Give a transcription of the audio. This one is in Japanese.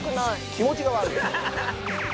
「気持ちが悪い」。